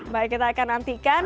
baik kita akan nantikan